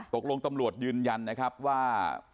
กล่อกลงตำรวจยืนยันนะครับว่า